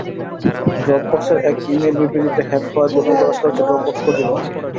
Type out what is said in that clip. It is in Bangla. ড্রপবক্সের এক ইমেইল বিবৃবিতে হ্যাক হওয়ায় দুঃখ প্রকাশ করেছে ড্রপবক্স কর্তৃপক্ষ।